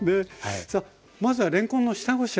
さあまずはれんこんの下ごしらえですね。